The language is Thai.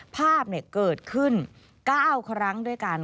ภาพเกิดขึ้น๙ครั้งด้วยกัน